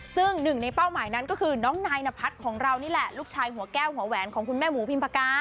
ซึ่งหนึ่งในเป้าหมายนั้นก็คือน้องนายนพัฒน์ของเรานี่แหละลูกชายหัวแก้วหัวแหวนของคุณแม่หมูพิมพากา